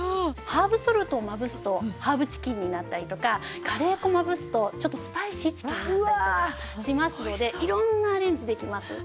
ハーブソルトをまぶすとハーブチキンになったりとかカレー粉をまぶすとちょっとスパイシーチキンになったりとかしますので色んなアレンジできます。